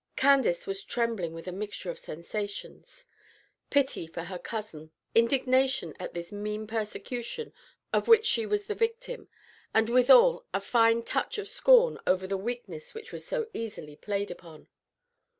Candace was trembling with a mixture of sensations, pity for her cousin, indignation at this mean persecution of which she was the victim, and withal a fine touch of scorn over the weakness which was so easily played upon.